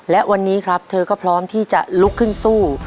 และวันนี้ครับเธอก็พร้อมที่จะลุกขึ้นสู้